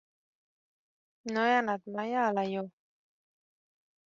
No he anat mai a Alaior.